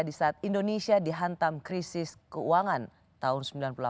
di saat indonesia dihantam krisis keuangan tahun sembilan puluh delapan